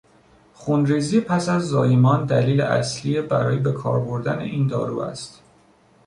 خونریزی پس از زایمان دلیل اصلی برای به کار بردن این دارو است.